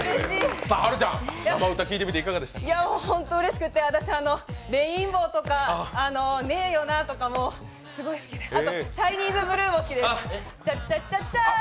本当にうれしくって、私、「レインボー」とか「ねぇよな」とか全部好きで、「シャイニーズブルー」も好きです。